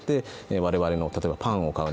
我々の例えばパンを買う